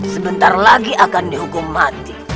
sebentar lagi akan dihukum mati